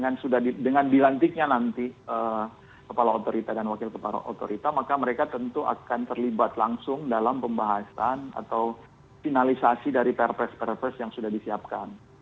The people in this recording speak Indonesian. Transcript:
dengan dilantiknya nanti kepala otorita dan wakil kepala otorita maka mereka tentu akan terlibat langsung dalam pembahasan atau finalisasi dari perpres perpres yang sudah disiapkan